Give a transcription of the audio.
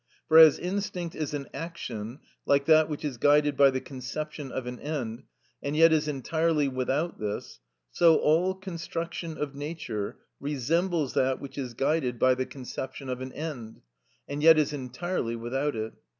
For as instinct is an action, like that which is guided by the conception of an end, and yet is entirely without this; so all construction of nature resembles that which is guided by the conception of an end, and yet is entirely without it.